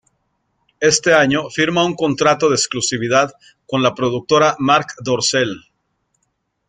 Ese año firma un contrato de exclusividad con la productora Marc Dorcel.